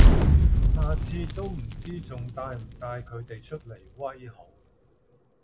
下次都唔知仲帶唔帶佢哋出嚟威好